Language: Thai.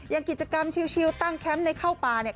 อย่างกิจกรรมชิวตั้งแคมป์ในเข้าป่าเนี่ย